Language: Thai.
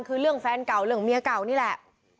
คือเรื่องแฟนเก่าเรื่องเมียเก่านี่แหละ